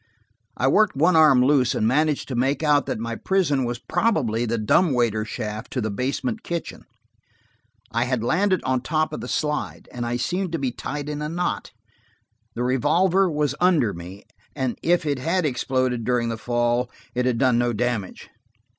I worked one arm loose and managed to make out that my prison was probably the dumb waiter shaft to the basement kitchen. I had landed on top of the slide, and I seemed to be tied in a knot. The revolver was under me, and if it had exploded during the fall it had done no damage.